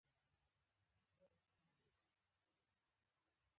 مچمچۍ د فطرت له خوا یوه ډالۍ ده